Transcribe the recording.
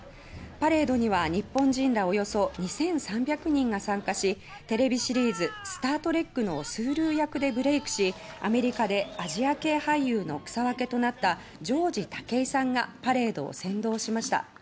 パレードには日本人らおよそ２３００人が参加しテレビシリーズ『スタートレック』のスールー役でブレイクしアメリカでアジア系俳優の草分けとなったジョージ・タケイさんがパレードを先導しました。